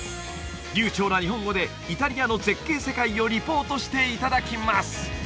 流ちょうな日本語でイタリアの絶景世界をリポートしていただきます